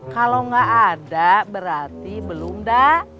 kalau enggak ada berarti belum dah